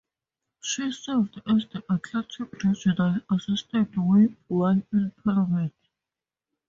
She served as the Atlantic Regional Assistant Whip while in Parliament.